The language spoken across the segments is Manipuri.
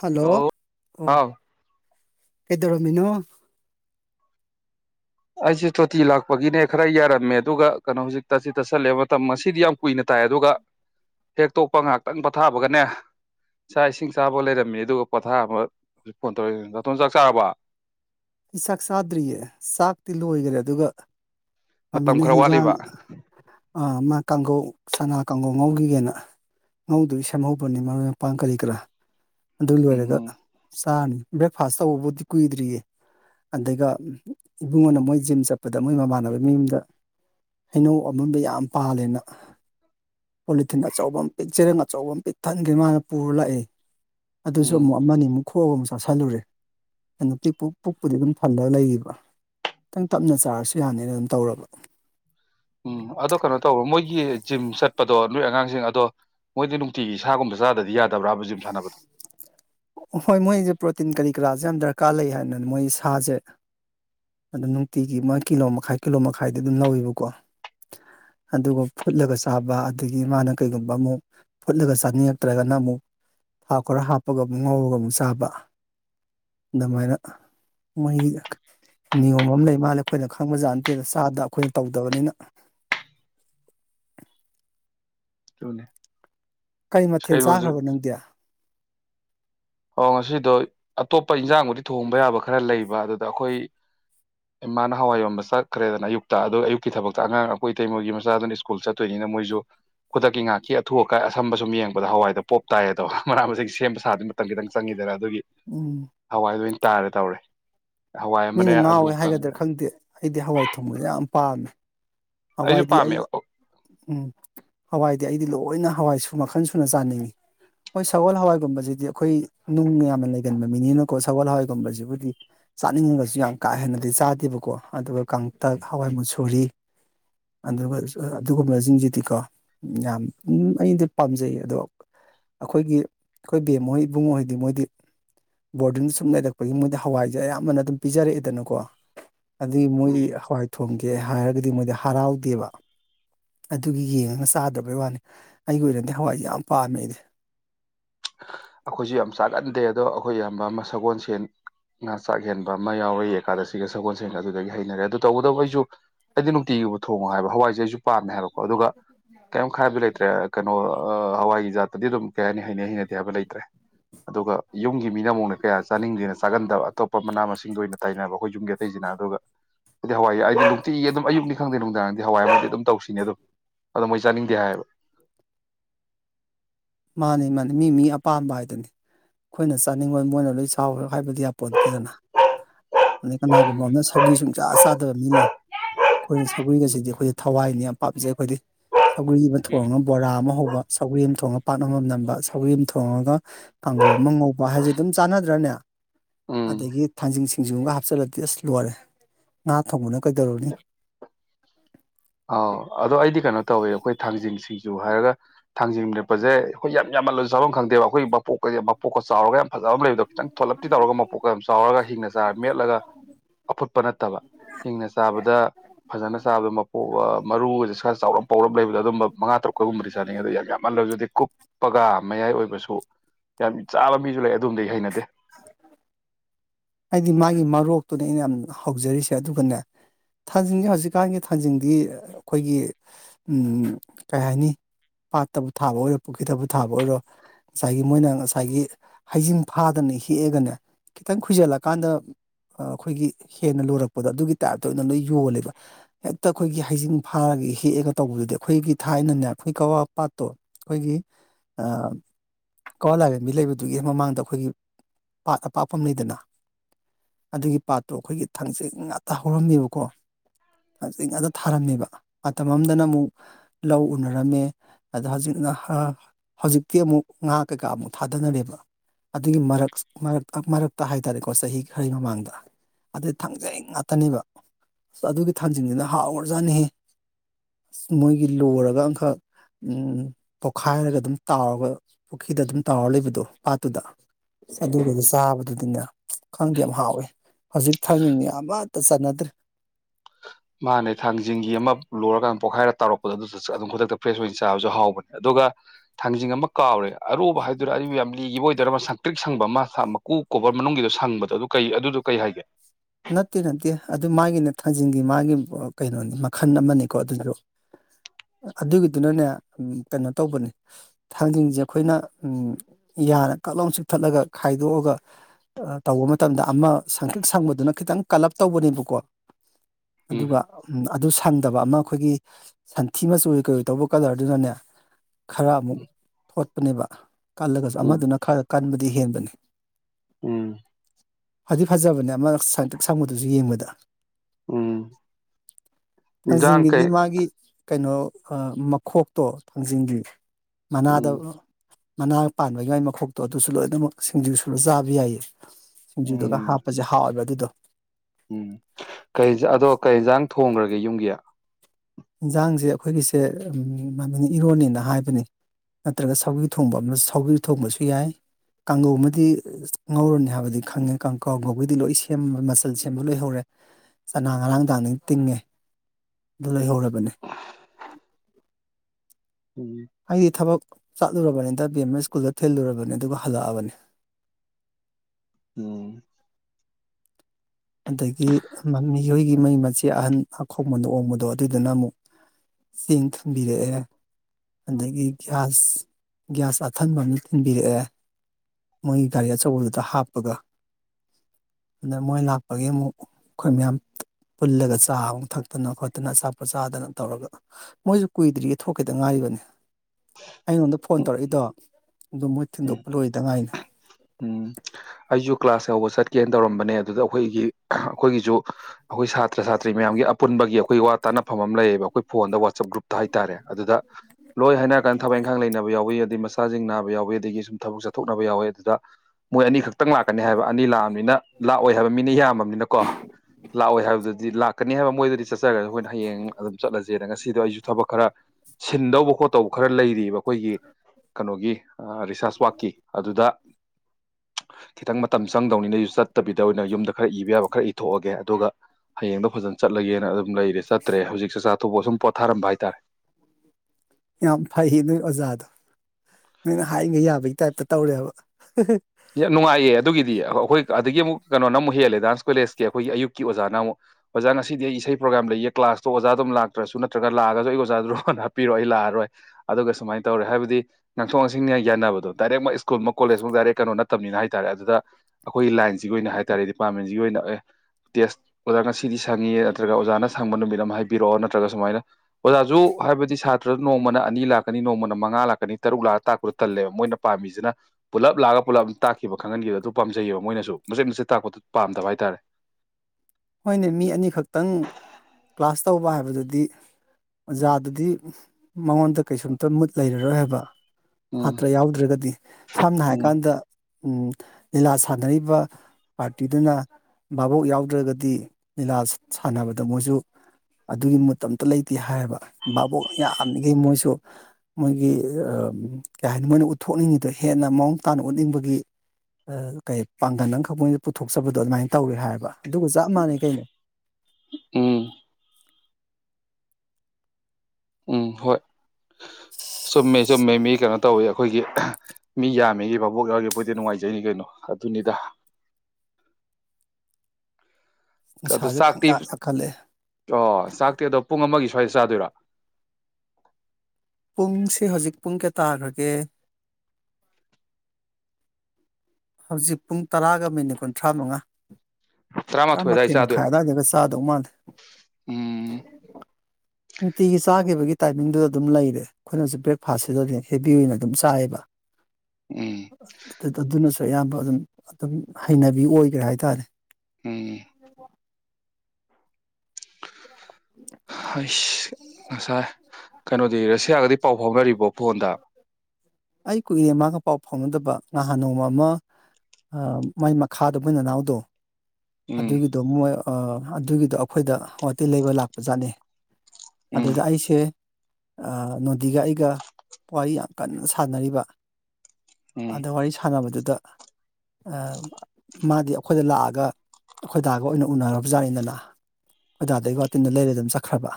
ꯍꯜꯂꯣ ꯑꯣ ꯍꯥꯎ ꯀꯩꯗꯧꯔꯝꯃꯤꯅꯣ ꯑꯩꯁꯦ ꯇꯣꯇꯤ ꯂꯥꯛꯄꯒꯤꯅꯦ ꯈꯔ ꯌꯥꯔꯝꯃꯦ ꯑꯗꯨꯒ ꯀꯩꯅꯣ ꯍꯧꯖꯤꯛ ꯇꯥꯠꯁꯤ ꯇꯁꯤꯜꯂꯦꯕ ꯃꯇꯝ ꯃꯁꯤꯗꯤ ꯌꯥꯝ ꯀꯨꯏꯅ ꯇꯥꯏ ꯑꯗꯨꯒ ꯍꯦꯛ ꯇꯣꯛꯄ ꯉꯥꯏꯍꯥꯛꯇꯪ ꯄꯣꯊꯥꯕꯒꯅꯦ ꯆꯥꯛ ꯏꯁꯤꯡ ꯆꯥꯕ ꯂꯩꯔꯝꯃꯤ ꯑꯗꯨꯒ ꯄꯣꯊꯥ ꯑꯃ ꯍꯧꯖꯤꯛ ꯐꯣꯟ ꯇꯧꯔꯛꯏ ꯇꯥꯇꯣꯟ ꯆꯥꯛ ꯆꯥꯔꯕ ꯑꯩ ꯆꯥꯛ ꯆꯥꯗ꯭ꯔꯤꯌꯦ ꯆꯥꯛꯇꯤ ꯂꯣꯏꯒꯔꯦ ꯑꯗꯨꯒ ꯃꯇꯝ ꯃꯃꯤꯅ ꯈꯔ ꯍꯤꯟꯖꯥꯡ ꯋꯥꯠꯂꯤꯕ ꯑ ꯀꯥꯡꯒꯧ ꯆꯅꯥ ꯀꯥꯡꯒꯧ ꯉꯧꯈꯤꯒꯦꯅ ꯉꯧꯗꯨꯒꯤ ꯁꯦꯝꯍꯧꯕꯅꯤ ꯃꯔꯣꯏ ꯃꯄꯥꯡ ꯀꯔꯤ ꯀꯔꯥ ꯑꯗꯨ ꯂꯣꯏꯔꯒ ꯎꯝ ꯆꯥꯔꯅꯤ ꯕ꯭ꯔꯦꯛꯐꯥꯁ ꯇꯧꯕꯕꯨꯗꯤ ꯀꯨꯏꯗ꯭ꯔꯤꯌꯦ ꯑꯗꯨꯒ ꯏꯕꯨꯡꯉꯣꯅ ꯃꯣꯏ ꯖꯤꯝ ꯆꯠꯄꯗ ꯃꯣꯏ ꯃꯃꯥꯟꯅꯕ ꯃꯌꯨꯝꯗ ꯍꯩꯅꯧ ꯑꯃꯨꯟꯕ ꯌꯥꯝ ꯄꯥꯜꯂꯦꯅ ꯄꯣꯂꯤꯊꯤꯟ ꯑꯆꯧꯕ ꯑꯃ ꯆꯦꯔꯪ ꯑꯆꯧꯕ ꯑꯃ ꯄꯤꯛ ꯊꯟꯈꯩ ꯃꯥꯅ ꯄꯨꯔ ꯂꯥꯛꯑꯦ ꯑꯗꯨꯁꯨ ꯎꯝ ꯑꯃꯨꯛ ꯑꯃꯅꯤꯃꯨꯛ ꯈꯣꯑ ꯑꯃ ꯆꯁꯤꯜꯂꯨꯔꯦ ꯑꯗꯨꯅ ꯄꯨꯛ ꯄꯤꯛ ꯄꯨꯛꯄꯨꯗꯤ ꯑꯗꯨꯝ ꯊꯜꯂꯒ ꯂꯩꯌꯦꯔꯤꯕ ꯈꯤꯇꯪ ꯇꯞꯅ ꯆꯥꯔꯁꯨ ꯌꯥꯅꯤꯅ ꯑꯗꯨꯝ ꯇꯧꯔꯕ ꯎꯝ ꯑꯗꯣ ꯀꯩꯅꯣ ꯇꯧꯕ ꯃꯣꯏꯒꯤ ꯖꯤꯝ ꯆꯠꯄꯗꯣ ꯅꯣꯏ ꯑꯉꯥꯡꯁꯤꯡ ꯑꯗꯣ ꯃꯣꯏꯗꯤ ꯅꯨꯡꯇꯤꯒꯤ ꯁꯥꯒꯨꯝꯕ ꯆꯥꯗꯗꯤ ꯌꯥꯗꯕ꯭ꯔꯥꯕ ꯖꯤꯝ ꯁꯥꯟꯅꯕꯗꯣ ꯍꯣꯏ ꯃꯣꯏꯁꯦ ꯄ꯭ꯔꯣꯇꯤꯟ ꯀꯔꯤ ꯀꯔꯥꯁꯦ ꯌꯥꯝ ꯗꯔꯀꯥꯔ ꯂꯩ ꯍꯥꯏꯅ ꯃꯣꯏ ꯁꯥꯁꯦ ꯑꯗꯨꯝ ꯅꯨꯡꯇꯤꯒꯤ ꯃꯣꯏ ꯀꯤꯂꯣ ꯃꯈꯥꯏ ꯀꯤꯂꯣ ꯃꯈꯥꯏꯗ ꯑꯗꯨꯝ ꯂꯧꯋꯦꯕꯀꯣ ꯑꯗꯨꯒ ꯐꯨꯠꯂꯒ ꯆꯥꯕ ꯑꯗꯒꯤ ꯃꯥꯅ ꯀꯩꯒꯨꯝꯕ ꯑꯃꯨꯛ ꯐꯨꯠꯂꯒ ꯆꯥꯅꯤꯡꯉꯛꯇ꯭ꯔꯒꯅ ꯑꯃꯨꯛ ꯊꯥꯎ ꯈꯔ ꯍꯥꯞꯄ ꯀꯞꯄꯒ ꯑꯃꯨꯛ ꯉꯧꯔꯒ ꯑꯃꯨꯛ ꯆꯥꯕ ꯑꯗꯨꯃꯥꯏꯅ ꯃꯤ ꯅꯤꯌꯣꯝ ꯑꯃ ꯂꯩ ꯃꯥꯜꯂꯦ ꯑꯩꯈꯣꯏꯅ ꯈꯪꯕ ꯖꯥꯠꯅꯠꯇꯦꯗ ꯆꯥꯗ ꯑꯩꯈꯣꯏꯅ ꯇꯧꯗꯕꯅꯤꯅ ꯗꯨꯅꯦ ꯀꯩ ꯃꯊꯦꯜ ꯆꯥꯈ꯭ꯔꯕ ꯅꯪꯗꯤ ꯑꯣ ꯉꯁꯤꯗꯣ ꯑꯇꯣꯞꯄ ꯏꯟꯖꯥꯡꯕꯨꯗꯤ ꯊꯣꯡꯕ ꯌꯥꯕ ꯈꯔ ꯂꯩꯕ ꯑꯗꯨꯗ ꯑꯩꯈꯣꯏ ꯏꯃꯥꯅ ꯍꯋꯥꯏ ꯌꯣꯟꯕ ꯆꯠꯈ꯭ꯔꯦꯗꯅ ꯑꯌꯨꯛꯇ ꯑꯣ ꯑꯌꯨꯛꯀꯤ ꯊꯕꯛꯇ ꯑꯉꯥꯡ ꯑꯩꯈꯣꯏꯇꯩꯃꯣꯏꯒꯤ ꯃꯆꯥꯗꯨꯅ ꯁ꯭ꯀꯨꯜ ꯆꯠꯇꯣꯏꯅꯤꯅ ꯃꯣꯏꯁꯨ ꯈꯨꯗꯛꯀꯤ ꯉꯥꯏꯍꯥꯛꯀꯤ ꯑꯊꯨ ꯑꯀꯥꯏ ꯑꯁꯝꯕ ꯁꯨꯝ ꯌꯦꯡꯕꯗ ꯍꯋꯥꯏꯗꯣ ꯄꯣꯞ ꯇꯥꯏꯌꯦ ꯑꯗꯣ ꯃꯅꯥ ꯃꯁꯤꯡ ꯁꯦꯝꯕ ꯁꯥꯗꯨ ꯇꯪꯗꯪ ꯆꯪꯗꯔ ꯑꯗꯨꯒꯤ ꯎꯝ ꯍꯋꯥꯏꯗꯣ ꯑꯣꯏꯅꯤ ꯇꯥꯔꯦ ꯇꯧꯔꯦ ꯍꯋꯥꯏ ꯃꯤꯅ ꯑꯃꯅꯦ ꯉꯥꯎꯋꯦ ꯑꯂꯨ ꯀꯥꯡꯃꯦꯠ ꯍꯥꯏꯒꯗ꯭ꯔꯥ ꯑꯃ ꯈꯪꯗꯦ ꯑꯩꯗꯤ ꯍꯋꯥꯏ ꯊꯣꯡꯕ ꯌꯥꯝ ꯄꯥꯝꯃꯦ ꯑꯩꯁꯨ ꯍꯋꯥꯏꯗꯤ ꯑꯩ ꯄꯥꯝꯃꯦ ꯎꯝ ꯍꯋꯥꯏꯗꯤ ꯑꯩꯗꯤ ꯂꯣꯏꯅ ꯍꯋꯥꯏꯁꯨ ꯃꯈꯜ ꯁꯨꯅ ꯆꯥꯅꯤꯡꯉꯤ ꯍꯣꯏ ꯁꯒꯣꯜ ꯍꯋꯥꯏꯒꯨꯝꯕꯁꯤꯗꯤ ꯑꯩꯈꯣꯏ ꯅꯨꯡ ꯌꯥꯝꯅ ꯂꯩꯒꯟꯕ ꯃꯤꯅꯤꯅꯀꯣ ꯁꯒꯣꯜ ꯍꯋꯥꯏꯒꯨꯝꯕꯁꯤꯕꯨꯗꯤ ꯆꯥꯅꯤꯡꯉꯒꯁꯨ ꯌꯥꯝ ꯀꯥ ꯍꯦꯟꯅꯗꯤ ꯆꯥꯗꯦꯕꯀꯣ ꯑꯗꯨꯒ ꯀꯥꯡꯇꯛ ꯍꯋꯥꯏ ꯃꯨꯁꯨꯨꯔꯤ ꯑꯗꯨꯒ ꯑꯗꯨꯒꯨꯝꯕꯁꯤꯡꯁꯤꯗꯤꯀꯣ ꯌꯥꯝ ꯑꯗꯤ ꯄꯥꯝꯖꯩ ꯑꯗꯣ ꯑꯩꯈꯣꯏꯒꯤ ꯑꯩꯈꯣꯏ ꯕꯦꯝꯍꯣꯏ ꯏꯕꯨꯡꯍꯣꯏꯗꯤ ꯃꯣꯏꯗꯤ ꯕꯣꯔꯗꯤꯡꯗ ꯁꯨꯝ ꯂꯩꯔꯛꯄꯒꯤ ꯃꯣꯏꯗꯤ ꯍꯋꯥꯏꯁꯦ ꯑꯌꯥꯝꯕ ꯑꯃꯅ ꯑꯗꯨꯝ ꯄꯤꯖꯔꯛꯑꯦꯗꯅꯀꯣ ꯑꯗꯨꯗꯒꯤ ꯃꯣꯏꯗꯤ ꯎꯝ ꯍꯋꯥꯏ ꯊꯣꯡ ꯀꯦ ꯍꯥꯏꯔꯒꯗꯤ ꯃꯣꯏꯗꯤ ꯍꯔꯥꯎꯗꯦꯕ ꯑꯗꯨꯒꯤ ꯌꯦꯡꯉꯒ ꯆꯥꯗꯕꯩ ꯋꯥꯅꯤ ꯑꯩꯒꯤ ꯑꯣꯏꯅꯗꯤ ꯍꯋꯥꯏꯁꯦ ꯌꯥꯝ ꯄꯥꯝꯃꯦ ꯑꯩꯗꯤ ꯑꯩꯈꯣꯏꯁꯨ ꯌꯥꯝ ꯆꯥꯛꯍꯟꯗꯦ ꯑꯗꯣ ꯑꯩꯈꯣꯏ ꯑꯌꯥꯝꯕ ꯑꯃ ꯁꯒꯣꯜ ꯁꯦꯟ ꯉꯥ ꯆꯥꯛ ꯍꯦꯟꯕ ꯑꯃ ꯌꯥꯎꯔ ꯌꯦꯀꯥꯗ ꯁꯤꯒ ꯁꯒꯣꯜ ꯁꯦꯟ ꯑꯗꯨꯗꯒꯤ ꯍꯩꯅꯔꯦ ꯑꯗꯨ ꯇꯧꯕꯇꯕꯨ ꯑꯩꯁꯨ ꯑꯩꯗꯤ ꯅꯨꯡꯇꯤꯒꯤꯒꯨꯝꯕ ꯊꯣꯡꯉꯣ ꯍꯥꯏꯕ ꯍꯋꯥꯏꯁꯦ ꯑꯩꯁꯨ ꯄꯥꯝꯃꯦ ꯍꯥꯏꯕꯀꯣ ꯑꯗꯨꯒ ꯀꯩꯝ ꯈꯥꯏꯕ ꯂꯩ ꯀꯩꯅꯣ ꯍꯋꯥꯏ ꯖꯥꯠꯇꯗꯤ ꯑꯗꯨꯝ ꯀꯩ ꯍꯥꯢꯅꯤ ꯍꯥꯏꯅꯩ ꯍꯩꯅꯗꯦ ꯍꯥꯏꯕ ꯂꯩꯇꯦ ꯑꯗꯨꯒ ꯌꯨꯝꯒꯤ ꯃꯤꯅ ꯑꯃꯨꯛ ꯀꯌꯥ ꯆꯥꯅꯤꯡꯗꯦꯅ ꯆꯥꯒꯟꯗꯕ ꯑꯇꯣꯞꯄ ꯃꯅꯥ ꯃꯁꯤꯡ ꯗ ꯑꯣꯏꯅ ꯇꯩꯅꯅꯕ ꯑꯩꯈꯣꯏ ꯌꯨꯝꯒꯤ ꯑꯇꯩꯁꯤꯅ ꯑꯗꯨꯒ ꯍꯥꯏꯗꯤ ꯍꯋꯥꯏ ꯍꯥꯏꯗꯤ ꯅꯨꯡꯇꯤꯒꯤ ꯑꯗꯨꯝ ꯑꯌꯨꯛꯅꯤ ꯈꯪꯗꯦ ꯅꯨꯡꯗꯥꯡꯗꯤ ꯍꯋꯥꯏ ꯑꯃꯗꯤꯗꯤ ꯑꯗꯨꯝ ꯇꯧꯁꯤꯅꯦ ꯑꯗꯨꯝ ꯑꯗꯨꯝ ꯃꯣꯏ ꯆꯥꯅꯤꯡꯗꯦ ꯍꯥꯏꯌꯦꯕ ꯃꯥꯅꯤ ꯃꯥꯅꯤ ꯃꯤ ꯃꯤ ꯑꯄꯥꯝꯕ ꯍꯥꯏꯗꯨꯅꯤ ꯑꯩꯈꯣꯏꯅ ꯆꯥꯅꯤꯡꯕ ꯃꯣꯏꯅ ꯂꯣꯏ ꯁꯥꯎꯔ ꯍꯥꯏꯕꯗꯤ ꯌꯥꯄꯣꯟꯠꯇꯦꯗꯅ ꯑꯗꯩ ꯀꯅꯥꯒꯨꯝꯕ ꯑꯃꯅ ꯁꯧ ꯆꯥ ꯆꯥꯗꯕ ꯃꯤ ꯂꯩ ꯑꯩꯈꯣꯏꯅ ꯁꯧꯒꯔ꯭ꯤꯁꯤꯗꯤ ꯑꯩꯈꯣꯏꯗꯤ ꯊꯋꯥꯏꯅꯤ ꯌꯥꯝꯅ ꯄꯥꯝꯖꯩ ꯑꯩꯈꯣꯏꯗꯤ ꯁꯧꯒ꯭ꯔꯤ ꯑꯃ ꯊꯣꯡꯉꯒ ꯕꯣꯔꯥ ꯑꯃ ꯍꯧꯕ ꯁꯧꯒꯔ꯭ꯤ ꯑꯃ ꯊꯣꯡꯉꯥ ꯄꯥꯛꯅꯝ ꯑꯃꯥ ꯅꯝꯃꯥꯕ ꯁꯧꯒꯤ ꯑꯃ ꯊꯣꯡꯉꯒ ꯀꯥꯡꯒꯧ ꯑꯃ ꯉꯧꯕ ꯍꯥꯏꯁꯦ ꯑꯗꯨꯝ ꯆꯥꯟꯅꯗ꯭ꯔꯅꯦ ꯎꯝ ꯑꯗꯒꯤ ꯊꯥꯡꯖꯤꯡ ꯁꯤꯡꯖꯨꯒ ꯍꯥꯞꯆꯤꯜꯂꯗꯤ ꯑꯁ ꯂꯣꯏꯔꯦ ꯉꯥ ꯊꯣꯡꯕꯅ ꯀꯩꯗꯧꯔꯅꯤ ꯑꯥꯎ ꯑꯗꯣ ꯑꯩꯗꯤ ꯀꯩꯅꯣ ꯇꯧꯋꯦ ꯑꯩꯈꯣꯏ ꯊꯥꯡꯖꯤꯡ ꯁꯤꯡꯖꯨ ꯍꯥꯏꯔꯒ ꯊꯥꯡꯖꯤꯡ ꯃꯦꯠꯄꯁꯦ ꯑꯩꯈꯣꯏ ꯌꯥꯝ ꯌꯥꯝꯃꯜꯂꯁꯨ ꯆꯥꯐꯝ ꯈꯪꯗꯦꯕ ꯑꯩꯈꯣꯏ ꯃꯄꯣꯛꯀꯁꯦ ꯃꯄꯣꯛꯀ ꯆꯥꯎꯔꯒ ꯌꯥꯝ ꯐꯖꯕ ꯑꯃ ꯂꯩꯕꯗꯣ ꯈꯤꯇꯪ ꯊꯣꯂꯞꯇꯤ ꯇꯧꯔꯒ ꯃꯄꯣꯛꯀ ꯌꯥꯝ ꯆꯥꯎꯔꯒ ꯍꯤꯡꯅ ꯆꯥꯔ ꯃꯦꯠꯂꯒ ꯑꯐꯨꯠꯄ ꯅꯠꯇꯕ ꯍꯤꯡꯅ ꯆꯥꯕꯗ ꯐꯖꯅ ꯆꯥꯕꯗ ꯃꯔꯨꯁ ꯈꯔ ꯆꯥꯎꯔꯞ ꯄꯧꯔꯞ ꯂꯩꯕꯗꯣ ꯑꯗꯨꯝꯕ ꯃꯉꯥ ꯇꯔꯨꯛꯀꯣꯏꯒꯨꯝꯕꯗꯤ ꯁꯥꯥꯅꯤꯡꯉꯦ ꯑꯗꯣ ꯌꯥꯝꯃꯜꯂꯁꯨꯗꯤ ꯀꯨꯞꯄꯒ ꯃꯌꯥꯏ ꯑꯣꯏꯕꯁꯨ ꯌꯥꯝ ꯆꯥꯕ ꯃꯤꯁꯨ ꯂꯩ ꯑꯗꯣꯝꯩ ꯍꯩꯅꯗꯦ [unintelligible] ꯍꯥꯏꯗꯤ ꯃꯥꯒꯤ ꯃꯔꯣꯛꯇꯨꯅꯦ ꯑꯩꯅ ꯌꯥꯝ ꯍꯧꯖꯔꯤꯁꯦ ꯑꯗꯨꯒꯅꯦ ꯊꯥꯡꯖꯤꯡꯁꯦ ꯍꯧꯖꯤꯛꯀꯥꯟꯒꯤ ꯊꯥꯡꯖꯤꯡꯗꯤ ꯑꯩꯈꯣꯏꯒꯤ ꯀꯩ ꯍꯥꯏꯅꯤ ꯄꯥꯠꯇꯕꯨ ꯊꯥꯕ ꯑꯣꯏꯔꯣ ꯄꯨꯈ꯭ꯔꯤꯗꯕꯨ ꯊꯥꯕ ꯑꯣꯏꯔꯣ ꯉꯁꯥꯏꯒꯤ ꯃꯣꯏꯅ ꯉꯁꯥꯏꯒꯤ ꯍꯩꯖꯤꯡ ꯐꯥꯗꯅ ꯍꯦꯛꯑꯒꯅꯦ ꯈꯤꯇꯪ ꯈꯨꯨꯖꯜꯂꯛ ꯀꯥꯟꯗ ꯑꯩꯈꯣꯏꯒꯤ ꯍꯦꯟꯅ ꯂꯔꯛꯄꯗꯣ ꯑꯗꯨꯒꯤ ꯇꯥꯏꯞꯇ ꯑꯣꯏꯅ ꯂꯣꯏ ꯌꯣꯜꯂꯦꯕ ꯍꯦꯛꯇ ꯑꯩꯈꯣꯏꯒꯤ ꯍꯩꯖꯤꯡ ꯐꯥꯔꯒ ꯍꯦꯛꯑꯒ ꯇꯧꯕꯗꯨꯗꯤ ꯑꯩꯈꯣꯏꯒꯤ ꯊꯥꯏꯅꯅꯦ ꯑꯩꯈꯣꯏ ꯀꯋꯥ ꯄꯥꯠꯇꯣ ꯑꯩꯈꯣꯏꯒꯤ ꯀꯋꯥ ꯂꯥꯏꯔꯦꯝꯕꯤ ꯂꯩꯕꯗꯨꯒꯤ ꯃꯃꯥꯡꯗ ꯑꯩꯈꯣꯏꯒꯤ ꯄꯥꯠ ꯑꯄꯥꯛꯄ ꯂꯩꯗꯅ ꯑꯗꯨꯒꯤ ꯄꯥꯠꯇꯣ ꯑꯩꯈꯣꯏꯒꯤ ꯊꯥꯡꯖꯤꯡ ꯉꯥꯛꯇ ꯍꯧꯔꯝꯃꯦꯕꯀꯣ ꯊꯥꯡꯖꯤꯡ ꯉꯥꯛꯇ ꯊꯥꯔꯝꯃꯦꯕ ꯃꯇꯝ ꯑꯃꯗꯅ ꯑꯃꯨꯛ ꯂꯧ ꯎꯅꯔꯝꯃꯦ ꯑꯗ ꯍꯧꯖꯤꯛꯅ ꯍꯧꯖꯤꯛꯇꯤ ꯑꯃꯨꯛ ꯉꯥ ꯀꯩꯀꯥ ꯑꯃꯨꯛ ꯊꯥꯗꯅꯔꯦꯕ ꯑꯗꯨꯒꯤ ꯃꯔꯛ ꯃꯔ ꯃꯔꯛꯇ ꯍꯥꯏꯇꯥꯔꯦꯀꯣ ꯆꯍꯤ ꯈꯔꯒꯤ ꯃꯃꯥꯡꯗ ꯑꯗꯨꯩ ꯊꯥꯡꯖꯦꯡ ꯉꯥꯛꯇꯅꯦꯕ ꯑ ꯑꯗꯨꯒꯤ ꯊꯥꯡꯖꯤꯡꯁꯤꯅ ꯍꯥꯎꯔꯖꯥꯠꯅꯤꯍ ꯑꯁ ꯃꯣꯏꯒꯤ ꯂꯔꯒ ꯑꯃꯈꯛ ꯄꯣꯈꯥꯏꯔꯒ ꯑꯗꯨꯝ ꯇꯥꯎꯔꯒ ꯄꯨꯈ꯭ꯔꯤꯗ ꯑꯗꯨꯝ ꯇꯥꯎꯔ ꯂꯩꯕꯗꯣ ꯄꯥꯠꯇꯨꯗ ꯑꯗꯨꯗꯤ ꯆꯥꯕꯗꯨꯗꯤꯅꯦ ꯈꯪꯗꯤ ꯌꯥꯝ ꯍꯥꯎꯏꯤ ꯍꯧꯖꯤꯛ ꯊꯥꯡꯅꯤꯡ ꯑꯃ ꯆꯥꯅꯗꯔ꯭ꯦ ꯃꯥꯅꯦ ꯊꯥꯡꯖꯤꯡꯒꯤ ꯑꯃ ꯂꯣꯏꯔꯀꯥꯟꯗ ꯄꯣꯛꯈꯥꯏꯔ ꯇꯥꯎꯔꯛꯄꯗ ꯑꯗꯨ ꯑꯗꯨꯝ ꯈꯨꯗꯛꯇ ꯐ꯭ꯔꯦꯁ ꯑꯣꯏꯅ ꯆꯥꯕꯁꯨ ꯍꯥꯎꯕꯅꯦ ꯑꯗꯨꯒ ꯊꯥꯡꯖꯤꯡ ꯑꯃ ꯀꯥꯎꯔꯦ ꯑꯔꯨꯕ ꯍꯥꯏꯗꯨꯔꯥ ꯑꯔꯤꯕ ꯌꯥꯝ ꯂꯤꯒꯤꯈꯤꯕ ꯑꯣꯏꯗꯣꯏꯔꯥ ꯁꯪ ꯄ꯭ꯔꯤꯛ ꯁꯪꯕ ꯑꯃ ꯃꯀꯨ ꯀꯣꯕꯔ ꯃꯅꯨꯡꯒꯤꯗꯣ ꯁꯪꯕꯗꯣ ꯑꯗꯨ ꯀꯩ ꯑꯗꯨꯗꯣ ꯀꯩ ꯍꯥꯏꯒꯦ ꯅꯠꯇꯦ ꯅꯠꯇꯦ ꯑꯗꯨ ꯃꯥꯒꯤꯅꯦ ꯊꯥꯡꯖꯤꯡꯒꯤ ꯃꯥꯒꯤ ꯀꯩꯅꯣꯅꯤ ꯃꯈꯜ ꯑꯃꯅꯤꯀꯣ ꯑꯗꯨꯁꯨ ꯑꯗꯨꯒꯤꯗꯨꯅꯅꯦ ꯀꯩꯅꯣ ꯇꯧꯕꯅꯤ ꯊꯥꯡꯖꯤꯡꯁꯦ ꯑꯩꯈꯣꯏꯅ ꯌꯥꯅ ꯀꯛꯂꯥꯎ ꯆꯨꯞꯛꯊꯠꯂꯒ ꯈꯥꯏꯗꯣꯛꯑꯒ ꯇꯧꯕ ꯃꯇꯝꯗ ꯑꯃ ꯁꯪꯇꯛ ꯁꯪꯕꯗꯨꯅ ꯈꯤꯇꯪ ꯀꯜꯂꯞ ꯇꯧꯕꯅꯦꯕꯀꯣ ꯎꯝ ꯑꯗꯨꯒ ꯑꯗꯨ ꯁꯪꯗꯕ ꯑꯃ ꯑꯩꯈꯣꯏꯒꯤ ꯁꯟꯊꯤ ꯃꯆꯨ ꯀꯩ ꯇꯧꯕ ꯀꯂꯔꯗꯨꯅꯅꯦ ꯈꯔ ꯑꯃꯨꯛ ꯊꯣꯠꯄꯅꯦꯕ ꯀꯜꯂꯒꯁꯨ ꯎꯝ ꯎꯝ ꯑꯃꯗꯨꯅ ꯈꯔ ꯀꯟꯕꯗꯤ ꯍꯦꯟꯕꯅꯦ ꯎꯝ ꯐꯗꯤ ꯐꯖꯕꯅꯦ ꯑꯃ ꯃꯇꯤꯛ ꯁꯥꯡꯕꯗꯨꯁꯨ ꯌꯦꯡꯕꯗ ꯎꯝ ꯏꯟꯖꯥꯡ ꯍꯁꯤꯡꯒꯤꯗꯤ ꯀꯩ ꯃꯥꯒꯤ ꯀꯩꯅꯣ ꯃꯈꯣꯛꯇꯣ ꯊꯥꯡꯖꯤꯟꯈꯤ ꯃꯅꯥꯗ ꯎꯝ ꯃꯅꯥ ꯄꯥꯟꯕꯒꯤ ꯃꯥꯏ ꯃꯈꯣꯛꯇꯣ ꯑꯗꯨꯁꯨ ꯂꯣꯏꯅꯃꯛ ꯁꯤꯡꯖꯨ ꯁ ꯆꯥꯕ ꯌꯥꯏꯌꯦ ꯁꯤꯡꯖꯨꯗꯨꯒ ꯎꯝ ꯍꯥꯞꯄꯁꯦ ꯍꯥꯎꯋꯦꯕ ꯑꯗꯨꯗꯣ ꯎꯝ ꯀꯩ ꯑꯗꯣ ꯀꯩꯟꯖꯥꯡ ꯊꯣꯡꯈ꯭ꯔꯒꯦ ꯌꯨꯝꯒꯤ ꯏꯟꯁꯥꯡꯁꯦ ꯑꯩꯈꯣꯏꯒꯤꯁꯦ ꯃꯃꯤꯡ ꯏꯔꯣꯅꯦꯅ ꯍꯥꯏꯕꯅꯤ ꯅꯠꯇ꯭ꯔꯒ ꯁꯧꯕꯤ ꯊꯣꯡꯕ ꯁꯥꯎꯒꯤ ꯊꯣꯡꯕꯁꯨ ꯌꯥꯏ ꯀꯥꯡꯉꯧ ꯑꯃꯗꯤ ꯉꯧꯔꯅꯤ ꯍꯥꯏꯕꯗꯤ ꯈꯪꯉꯦ ꯀꯥꯡ ꯉꯧꯕꯗꯤ ꯂꯣꯏ ꯁꯦꯝꯃ ꯃꯆꯜ ꯁꯦꯝꯕ ꯂꯣꯏꯍꯧꯔꯦ ꯆꯅꯥ ꯉꯔꯥꯡꯗꯥꯥꯡꯗꯒꯤ ꯇꯤꯡꯉꯦ ꯑꯗꯨ ꯂꯣꯏꯍꯧꯔꯕ ꯃꯅꯦ ꯎꯝ ꯑꯩꯗꯤ ꯊꯕꯛ ꯆꯠꯂꯨꯔꯕꯅꯤꯗ ꯕꯤ ꯑꯦꯝ ꯑꯦ ꯁ꯭ꯀꯨꯜꯗ ꯊꯤꯜꯂꯨꯔꯕꯅꯤ ꯑꯗꯨꯒ ꯍꯜꯂꯛꯑꯕꯅꯤ ꯎꯝ ꯑꯗꯒꯤ ꯃꯤꯑꯣꯏꯒꯤ ꯃꯩ ꯃꯆꯦ ꯑꯍꯟ ꯑꯈꯣꯡꯕꯗ ꯑꯣꯡꯕꯗꯣ ꯑꯗꯨꯏꯗꯨꯅ ꯑꯃꯨꯛ ꯆꯦꯡ ꯊꯝꯕꯤꯔꯛꯑꯦ ꯑꯗꯒꯤ ꯒ꯭ꯌꯥꯁ ꯒ꯭ꯌꯥꯁ ꯑꯊꯟꯕ ꯑ ꯑꯃ ꯊꯤꯟꯕꯤꯔꯛꯑꯦ ꯃꯣꯏꯒꯤ ꯒꯥꯔꯤ ꯑꯆꯧꯕꯗꯨꯗ ꯍꯥꯞꯄꯒ ꯑꯗ ꯃꯣꯏ ꯑꯩꯒꯤ ꯑꯃꯨꯛ ꯑꯩꯈꯣꯏ ꯃꯌꯥꯝ ꯄꯨꯜꯂꯒ ꯆꯥꯕꯃꯨꯛ ꯊꯛꯇꯅ ꯈꯣꯠꯇꯅ ꯑꯆꯥꯄꯣꯠ ꯆꯥꯗꯅ ꯇꯧꯔꯒ ꯃꯣꯏꯁꯨ ꯀꯨꯏꯗ꯭ꯔꯤꯌꯦ ꯊꯣꯛꯈꯤꯗ ꯉꯥꯏꯔꯤꯕꯅꯤ ꯑꯩꯉꯣꯟꯗ ꯐꯣꯟ ꯎꯝ ꯇꯧꯔꯛꯏꯗꯣ ꯑꯗꯨ ꯃꯣꯏ ꯎꯝ ꯊꯤꯟꯗꯣꯛꯄ ꯂꯣꯏꯗ ꯉꯥꯏꯅ ꯎꯝ ꯑꯩꯁꯨ ꯀ꯭ꯂꯥꯁ ꯌꯧꯕ ꯆꯠꯀꯦꯅ ꯇꯧꯔꯝꯕꯅꯦ ꯑꯗꯨꯗ ꯑꯩꯈꯣꯏꯒꯤ ꯑꯩꯈꯣꯏꯒꯤꯁꯨ ꯑꯩꯈꯣꯏ ꯁꯥꯇ꯭ꯔ ꯁꯥꯇ꯭ꯔꯤ ꯃꯌꯥꯝꯒꯤ ꯑꯄꯨꯟꯕꯒꯤ ꯑꯩꯈꯣꯏ ꯋꯥ ꯇꯥꯟꯅꯐꯝ ꯑꯃ ꯂꯩꯌꯦꯕ ꯑꯩꯈꯣꯏ ꯐꯣꯟꯗ ꯋꯥꯆꯞ ꯒ꯭ꯔꯨꯞ ꯇ ꯍꯥꯏꯇꯥꯔꯦ ꯑꯗꯨꯗ ꯂꯣꯏ ꯍꯥꯏꯅꯔ ꯀꯥꯟꯗ ꯊꯕꯛ ꯏꯪꯈꯥꯡ ꯂꯩꯅꯕ ꯌꯥꯎꯋꯤ ꯍꯥꯏꯗꯤ ꯃꯁ ꯆꯁꯤꯡ ꯅꯥꯕ ꯌꯥꯎꯋꯤ ꯑꯗꯒꯤ ꯁꯨꯝ ꯊꯕꯛ ꯆꯠꯊꯣꯛꯅꯕ ꯌꯥꯎꯋꯤ ꯑꯗꯨꯗ ꯃꯣꯏ ꯑꯅꯤꯈꯛꯇ ꯈꯤꯇꯪ ꯂꯥꯛꯀꯅꯤ ꯍꯥꯏꯕ ꯑꯅꯤ ꯂꯥꯛꯑꯕꯅꯤꯅ ꯂꯥꯛꯑꯣꯏ ꯍꯥꯏꯕ ꯃꯤꯅ ꯌꯥꯝꯃꯕꯅꯤꯅꯀꯣ ꯂꯥꯛꯑꯣꯏ ꯍꯥꯏꯕꯗꯨꯗꯤꯥꯛ ꯀꯠꯛꯀꯅꯤ ꯍꯥꯏꯕ ꯃꯣꯏꯗꯗꯤ ꯆꯠꯆꯔꯒꯁꯨ ꯑꯩꯈꯣꯏꯅ ꯍꯌꯦꯡ ꯑꯗꯨꯝ ꯆꯠꯂꯁꯦꯅ ꯉꯁꯤꯗꯣ ꯑꯩꯁꯨ ꯊꯕꯛ ꯈꯔ ꯁꯤꯟꯗꯧꯕ ꯈꯣꯠꯇꯧꯕ ꯈꯔ ꯂꯩꯔꯤꯕ ꯑꯩꯈꯣꯏꯒꯤ ꯀꯩꯅꯣꯒꯤ ꯔꯤꯁꯥꯔꯁ ꯋꯥꯋꯛꯀꯤ ꯑꯗꯨꯗ ꯈꯤꯇꯪ ꯃꯇꯝ ꯆꯪꯗꯧꯅꯤꯅ ꯆꯠꯇꯕꯤꯗ ꯑꯣꯏꯅ ꯌꯨꯝꯗ ꯈꯔ ꯏꯕ ꯌꯥꯕ ꯈꯔ ꯏꯊꯣꯛꯑꯒꯦ ꯑꯗꯨꯒ ꯍꯌꯦꯡꯗꯣ ꯐꯖꯅ ꯆꯠꯂꯒꯦꯅ ꯑꯗꯨ ꯂꯩꯔꯦ ꯆꯠꯇ꯭ꯔꯦ ꯍꯧꯖꯤꯛ ꯆ ꯆꯥꯊꯣꯛꯧꯕ ꯁꯨꯝ ꯄꯣꯊꯥꯔꯝꯕ ꯍꯥꯏꯇꯥꯔꯦ ꯅꯪꯅ ꯍꯥꯏꯉ ꯌꯥꯕꯒꯤ ꯇꯥꯏꯞꯇ ꯇꯧꯔꯦꯕ ꯌꯥꯝ ꯅꯨꯡꯉꯥꯏꯌꯦ ꯑꯗꯨꯒꯤꯗꯤ ꯑꯩꯈꯣꯏ ꯑꯗꯨꯒꯤ ꯑꯃꯨꯛ ꯀꯩꯅꯣꯅ ꯑꯃꯨꯛ ꯍꯦꯜꯂꯦ ꯗꯥꯟꯁ ꯀꯣꯂꯦꯖꯀꯤ ꯑꯩꯈꯣꯏꯒꯤ ꯑꯌꯨꯛꯀꯤ ꯑꯣꯖꯥꯅ ꯑꯃꯨꯛ ꯑꯣꯖꯥ ꯉꯁꯤꯗꯤ ꯑꯩ ꯏꯁꯩ ꯄ꯭ꯔꯣꯒꯥ꯭ꯔꯥꯝ ꯂꯩꯌꯦꯦ ꯀ꯭ꯂꯥꯁꯇꯣ ꯑꯣꯖꯥ ꯑꯗꯨꯝ ꯂꯥꯛꯇ꯭ꯔꯁꯨ ꯅꯠꯇ꯭ꯔꯒ ꯂꯥꯛꯑꯒꯁꯨ ꯑꯩ ꯑꯣꯖꯥꯗꯨ ꯔꯣꯟ ꯍꯥꯄꯤꯔꯣ ꯑꯩ ꯂꯥꯛꯑꯔꯣꯏ ꯑꯗꯨꯒ ꯁꯨꯃꯥꯏꯅ ꯇꯧꯔꯦ ꯍꯥꯏꯕꯗꯤ ꯉꯥꯡꯊꯣꯛ ꯉꯥꯡꯁꯤꯡꯅꯤꯅ ꯌꯥꯅꯕꯗꯣ ꯗꯥꯏꯔꯦꯛꯃꯛꯛ ꯁ꯭ꯀꯨꯜꯃ ꯀꯣꯂꯦꯖꯃꯨꯛ ꯗꯥꯏꯔꯦꯛ ꯀꯩꯅꯣ ꯅꯠꯇꯕꯅꯤꯅ ꯍꯥꯏꯇꯥꯔꯦ ꯑꯗꯨꯗ ꯑꯩꯈꯣꯏꯒꯤ ꯂꯥꯏꯟꯁꯤꯒꯤ ꯑꯣꯏꯅ ꯍꯥꯏ ꯇꯥꯔꯦ ꯗꯤꯄꯥꯔꯠꯃꯦꯟꯁꯤꯒꯤ ꯑꯣꯏꯅ ꯑꯦ ꯇꯦꯁ ꯑꯣꯖꯥ ꯉꯁꯤꯗꯤ ꯁꯪꯉ ꯅꯠꯇ꯭ꯔꯒ ꯑꯣꯖꯥꯅ ꯁꯪꯕ ꯅꯨꯃꯤꯠ ꯑꯃ ꯍꯥꯏꯕꯤꯔꯛꯑꯣ ꯅꯠꯇ꯭ꯔꯒ ꯁꯨꯃꯥꯏꯅ ꯑꯣꯖꯥꯁꯨ ꯍꯥꯏꯕꯗꯤ ꯁꯥꯇ꯭ꯔ ꯅꯣꯡꯃꯅ ꯑꯅꯤ ꯂꯥꯛꯀꯅꯤ ꯅꯣꯡꯃꯅ ꯃꯉꯥ ꯂꯥꯛꯀꯅꯤ ꯇꯔꯨꯛ ꯂꯥꯛꯑ ꯇꯥꯛꯄꯗ ꯇꯜꯂꯦꯕ ꯃꯣꯏꯅ ꯄꯥꯝꯃꯤꯁꯤꯅ ꯄꯨꯂꯞ ꯂꯥꯛꯑꯒ ꯄꯨꯂꯞ ꯇꯥꯛꯈꯤꯕ ꯈꯪꯍꯟꯈꯤꯕꯗ ꯑꯗꯨ ꯄꯥꯝꯖꯩꯌꯦꯕ ꯃꯣꯏꯅꯁꯨ ꯃꯆꯦꯠ ꯃꯆꯦꯠ ꯇꯥꯛꯄꯗꯨ ꯄꯥꯝꯗꯕ ꯍꯥꯏꯇꯥꯔꯦ ꯍꯣꯏꯅꯦ ꯃꯤ ꯑꯅꯤꯈꯛꯇꯪ ꯀ꯭ꯂꯥꯁ ꯇꯧꯕ ꯍꯥꯏꯕꯗꯨꯗꯤ ꯑꯣꯖꯥꯗꯗꯤ ꯃꯉꯣꯟꯗ ꯀꯩꯁꯨꯝꯇ ꯃꯨꯠ ꯂꯩꯔꯔꯣꯏ ꯍꯥꯏꯕ ꯎꯝ ꯍꯥꯠꯇ꯭ꯔ ꯌꯥꯎꯗ꯭ꯔꯒꯗꯤ ꯁꯝꯅ ꯍꯥꯏꯔ ꯎꯝ ꯀꯥꯟꯗ ꯎꯝ ꯂꯤꯂꯥ ꯁꯥꯟꯅꯔꯤꯕ ꯄꯥꯔꯇꯤꯗꯨꯅ ꯚꯥꯕꯣꯛ ꯌꯥꯎꯗ꯭ꯔꯒꯗꯤ ꯗꯤ ꯂꯤꯂꯥ ꯁꯥꯟꯅꯕꯗ ꯃꯣꯏꯁꯨ ꯑꯗꯨꯒꯤ ꯃꯇꯨꯠ ꯑꯝꯇ ꯂꯩꯇꯦ ꯍꯥꯏꯌꯦꯕ ꯚꯥꯕꯣꯛꯅ ꯌꯥꯝꯃꯤꯈꯩ ꯃꯣꯏꯁꯨ ꯃꯣꯏꯒꯤ ꯀꯩ ꯍꯥꯏꯅꯤ ꯃꯣꯏꯅ ꯎꯠꯊꯣꯛꯅꯤꯡꯉꯤꯗꯣ ꯍꯦꯟꯅ ꯃꯑꯣꯡ ꯇꯥꯅ ꯎꯠꯅꯤꯡꯕꯒꯤ ꯀꯩ ꯄꯥꯡꯒꯜ ꯑꯃꯈꯛ ꯃꯣꯏꯅ ꯄꯨꯊꯣꯛꯆꯕꯗꯣ ꯑꯗꯨꯃꯥꯏꯅ ꯇꯧꯋꯤ ꯍꯥꯏꯕ ꯑꯗꯨ ꯆꯞ ꯃꯥꯟꯅꯩ ꯀꯩꯅꯩꯅ ꯎꯝ ꯎꯝ ꯍꯣꯏ ꯁꯃꯦ ꯁꯣꯃꯦ ꯃꯤ ꯀꯩꯅꯣ ꯇꯧꯋꯤ ꯑꯩꯈꯣꯏꯒꯤ ꯃꯤ ꯌꯥꯝꯃꯤꯒꯤ ꯚꯥꯕꯣꯛ ꯌꯥꯎꯒꯕꯨꯗꯤ ꯅꯨꯡꯉꯥꯏꯖꯩꯅꯤ ꯀꯩꯅꯣ ꯑꯗꯨꯅꯤꯗ ꯑꯗꯨ ꯅꯨꯡꯁꯥꯁꯦ ꯆꯥꯛꯇꯤ ꯈꯪꯌꯥꯛ ꯌꯥꯛꯈꯠꯂꯛꯑꯦ ꯑꯣ ꯆꯥꯛꯇꯤ ꯑꯗꯣ ꯄꯨꯡ ꯑꯃꯒꯤꯁꯨ ꯁꯍꯤꯁꯗꯨꯨꯔꯥ ꯄꯨꯡꯁꯦ ꯍꯧꯖꯤꯛ ꯄꯨꯡ ꯀꯌꯥ ꯇꯥꯈ꯭ꯔꯒꯦ ꯍꯧꯖꯤꯛ ꯄꯨꯡ ꯇꯔꯥꯒ ꯃꯤꯅꯤꯠ ꯀꯨꯟꯊ꯭ꯔꯥ ꯃꯉꯥ ꯇꯔꯥꯃꯥꯊꯣꯏ ꯑꯗꯨꯋꯥꯏ ꯃꯊ ꯃ ꯆꯥꯗꯣꯏꯔꯥ ꯈꯥꯏꯗꯒ ꯁꯥꯗꯧꯃꯗ ꯎꯝ ꯅꯨꯡꯇꯤꯒꯤ ꯆꯥꯈꯤꯕꯒꯤ ꯇꯥꯏꯃꯤꯡꯗꯨꯗ ꯑꯗꯨꯝ ꯂꯩꯔꯦ ꯑꯩꯈꯣꯏꯅꯁꯨ ꯕ꯭ꯔꯦꯛꯐꯥꯁꯁꯤꯗꯗꯤ ꯍꯦꯚ ꯑꯣꯏꯅ ꯑꯗꯨꯝ ꯆꯥꯏꯌꯦꯕ ꯎꯝ ꯑꯗꯨꯅ ꯑꯌꯥꯝꯕ ꯑꯗꯨꯝ ꯑꯗꯨꯝ ꯍꯩꯅꯕꯤ ꯑꯣꯏꯈ꯭ꯔꯦ ꯍꯥꯏꯇꯥꯔꯦ ꯎꯝ ꯍꯁ ꯉꯁꯥꯏ ꯀꯩꯅꯣꯗꯤ ꯔꯁꯤꯌꯥꯒꯗꯤ ꯄꯥꯎ ꯐꯥꯎꯅꯔꯤꯕꯣ ꯐꯣꯟꯗ ꯑꯩ ꯀꯨꯏꯔꯦ ꯃꯥꯒ ꯄꯥꯎ ꯐꯥꯎꯅꯗꯕ ꯅꯍꯥꯟ ꯅꯣꯡꯃ ꯑꯃ ꯃꯥꯏ ꯃꯈꯥꯗ ꯃꯣꯏ ꯅꯅꯥꯎꯗꯣ ꯎꯝ ꯑꯗꯨꯒꯤꯗꯣ ꯃꯣꯏ ꯑꯗꯨꯒꯤꯗꯣ ꯑꯩꯈꯣꯏꯗ ꯋꯥꯇꯤ ꯂꯩꯕ ꯂꯥꯛꯄꯖꯥꯠꯅꯤ ꯎꯝ ꯑꯗꯨꯗ ꯑꯩꯁꯦ ꯅꯣꯗꯤꯒ ꯑꯩꯒ ꯋꯥꯔꯤ ꯌꯥꯝ ꯀꯟꯅ ꯁ ꯁꯥꯟꯅꯔꯤꯕ ꯎꯝ ꯑꯗ ꯋꯥꯔꯤ ꯁꯥꯟꯅꯕꯗꯨꯗ ꯃꯥꯗꯤ ꯑꯩꯈꯣꯏꯗ ꯂꯥꯛꯑꯒ ꯑꯩꯈꯣꯏꯗꯥꯒ ꯑꯣꯏꯅ ꯎꯅ꯭ꯔꯔꯕꯖꯥꯠꯅꯤꯗꯅ ꯑꯩꯈꯣꯏꯗꯥꯗꯒꯤ ꯋꯥꯇꯤꯟꯗꯣ ꯂꯩꯔ ꯑꯗꯨꯝ ꯆꯠꯈ꯭ꯔꯕ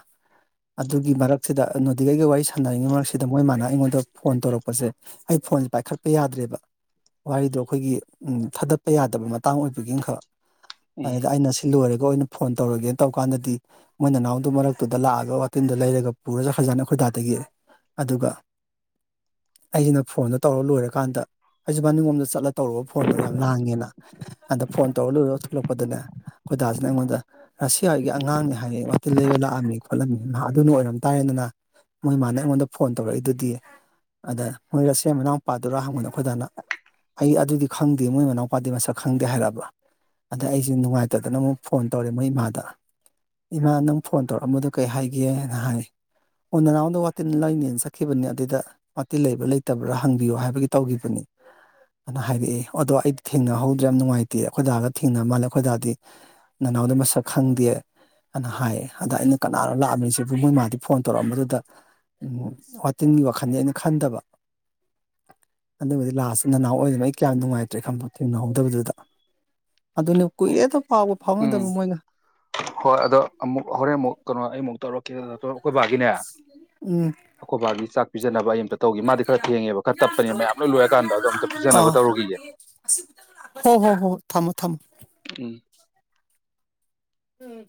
ꯑꯗꯨꯒꯤ ꯃꯔꯛꯁꯤꯗ ꯅꯣꯗꯤꯒꯩꯒ ꯋꯥꯔꯤ ꯁꯥꯟꯅꯔꯤꯉꯩ ꯃꯔꯛꯁꯤꯗ ꯃꯣꯏ ꯃꯥꯅ ꯑꯩꯉꯣꯟꯗ ꯐꯣꯟ ꯇꯧꯔꯛꯄ ꯄꯁꯦ ꯑꯩ ꯐꯣꯟꯁꯦ ꯄꯥꯏꯈꯠꯄ ꯌꯥꯗ꯭ꯔꯦꯕ ꯋꯥꯔꯤꯗꯣ ꯑꯩꯈꯣꯏꯒꯤ ꯊꯥꯗꯠꯄ ꯌꯥꯗꯕ ꯃꯇꯥꯡ ꯑꯣꯏꯕꯒꯤꯅꯈꯛ ꯎꯝ ꯑꯗꯨꯗ ꯑꯩꯅ ꯁꯤ ꯂꯣꯏꯔꯒ ꯑꯣꯏꯅ ꯐꯣꯟ ꯇꯧꯔꯒꯦꯅ ꯇꯧꯀꯥꯟꯗꯗꯤ ꯃꯣꯏ ꯅꯅꯥꯎꯗꯨ ꯃꯔꯛꯇꯨꯗ ꯂꯥꯛꯑꯒ ꯋꯥꯇꯤꯟꯗꯨꯣ ꯂꯩꯔꯒ ꯄꯨꯔꯁꯨ ꯍꯖꯥꯟꯅ ꯑꯩꯈꯣꯏꯗꯥꯗ ꯌꯦꯔꯦ ꯑꯗꯨꯒ ꯑꯩꯁꯤꯅ ꯐꯣꯟꯗꯣ ꯇꯧꯔ ꯂꯣꯏꯔꯀꯥꯟꯗ ꯑꯩꯁꯨꯕꯥꯅꯤꯡꯂꯣꯝꯗ ꯆꯠꯂ ꯇꯧꯔꯨꯕ ꯐꯣꯟꯗꯣ ꯌꯥꯝ ꯂꯥꯡꯉꯦꯅ ꯑꯗ ꯐꯣꯟ ꯇꯧꯔ ꯂꯣꯏꯔꯒ ꯊꯣꯛꯂꯛꯄꯗꯅꯦ ꯍꯣꯏꯗꯥꯁꯤꯅ ꯑꯩꯉꯣꯟꯗ ꯔꯁꯤꯌꯥꯣꯏꯒꯤ ꯑꯉꯥꯡꯅꯤ ꯍꯥꯏꯌꯦ ꯋꯥꯇꯤꯟ ꯂꯩꯕ ꯂꯥꯛꯑꯝꯃꯤ ꯈꯣꯠꯂꯝꯃꯤ ꯑꯗꯨꯅ ꯑꯣꯏꯔꯝ ꯇꯥꯔꯦꯅꯤꯅ ꯃꯣꯏ ꯏꯃꯥꯅ ꯑꯩꯉꯣꯟꯗ ꯐꯣꯟ ꯇꯧꯔꯛꯏꯗꯨꯗꯤ ꯑꯗ ꯃꯣꯏꯔꯁꯦ ꯃꯅꯥꯎꯨꯄꯥꯗꯨꯔ ꯍꯪꯕꯅ ꯑꯩꯈꯣꯏꯗꯥꯅ ꯑꯩ ꯑꯗꯨꯗꯤ ꯈꯪꯗꯦ ꯃꯣꯏ ꯃꯅꯥꯎꯄꯥꯗꯤ ꯃꯁꯛ ꯈꯪꯗꯦ ꯍꯥꯏꯔꯛꯑꯕ ꯑꯗ ꯑꯩꯁꯦ ꯅꯨꯡꯉꯥꯏꯇꯗꯅ ꯑꯃꯨꯛ ꯐꯣꯟ ꯇꯧꯔꯦ ꯃꯣꯏ ꯏꯃꯥꯗ ꯏꯃꯥ ꯅꯪ ꯐꯣꯟ ꯇꯧꯔꯛꯑꯝꯕꯗꯣ ꯀꯩ ꯍꯥꯏꯒꯦꯅ ꯍꯥꯏ ꯑꯣ ꯅꯅꯥꯎꯣꯟꯗ ꯋꯥꯇꯤꯟ ꯂꯩꯅꯦꯅ ꯆꯠꯈꯤꯕꯅꯤ ꯑꯗꯨꯏꯗ ꯇꯤ ꯂꯩꯕ꯭ꯔꯥ ꯂꯩꯇꯕ꯭ꯔꯥ ꯍꯪꯕꯤꯌꯣ ꯍꯥꯏꯕꯒꯤ ꯇꯧꯒꯤꯈꯤꯕꯅꯤ ꯑꯗꯨꯅ ꯍꯥꯏꯔꯛꯑꯦ ꯑꯗꯣ ꯑꯩꯗꯤ ꯊꯦꯡꯅꯍꯧꯗ꯭ꯔꯦ ꯌꯥꯝ ꯅꯨꯡꯉꯥꯏꯇꯦ ꯑꯩꯈꯣꯏꯗꯥꯒ ꯊꯦꯡꯅꯕ ꯃꯥꯜꯂꯦ ꯑꯩꯈꯣꯏꯗꯥꯗꯤ ꯅꯅꯥꯎꯗ ꯃꯁꯛ ꯈꯪꯗꯦ ꯑꯅ ꯍꯥꯏꯌꯦ ꯑꯗ ꯑꯩꯅ ꯀꯅꯥꯅ ꯂꯥꯛꯑꯝꯃꯤꯁꯤꯕ ꯃꯣꯏ ꯃꯥꯗꯤ ꯐꯣꯟ ꯇꯧꯔꯛꯑꯝꯕꯗꯨꯗ ꯎ ꯋꯥꯇꯤꯟꯒꯤ ꯋꯥꯈꯜꯅꯤ ꯑꯩꯅ ꯈꯟꯗꯕ ꯑꯗꯨꯕꯨꯗꯤ ꯂꯥꯁꯇ ꯅꯍꯎ ꯑꯣꯏꯕꯃꯛ ꯑꯩ ꯀꯌꯥꯝ ꯅꯨꯡꯉꯥꯏꯇ꯭ꯔꯦ ꯈꯟꯕ ꯊꯦꯡꯅꯍꯧꯗꯕꯗꯨꯗ ꯑꯗꯨꯅꯦ ꯍꯣ ꯀꯨꯏꯔꯦꯗ ꯐꯥꯎꯕ ꯎꯝ ꯐꯥꯎꯉꯗꯕ ꯃꯣꯏꯅ ꯍꯣꯏ ꯑꯗꯣ ꯑꯃꯨꯛ ꯍꯣꯔꯦꯟ ꯑꯃꯨꯛ ꯀꯩꯅꯣ ꯑꯩ ꯑꯃꯨꯛ ꯇꯧꯔꯛꯀꯦ ꯑꯩꯀꯣꯏꯕꯥꯒꯤꯅꯦ ꯑꯩꯈꯣꯏꯕꯥꯒꯤ ꯆꯥꯛ ꯄꯤꯖꯅꯕ ꯑꯦꯝ ꯂꯣꯏꯔꯀꯥꯟꯗ ꯑꯗꯣ ꯑꯝꯇ ꯑ ꯄꯤꯖꯅꯕ ꯇꯧꯔꯨꯈꯤꯒꯦ ꯍꯣ ꯍꯣ ꯍꯣ ꯍ ꯊꯝꯃꯣ ꯊꯝꯃꯣ ꯎꯝ ꯎꯝ